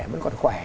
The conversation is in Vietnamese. vũ mẹ vẫn còn khỏe